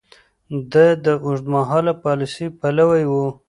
ده د اوږدمهاله پاليسۍ پلوی و.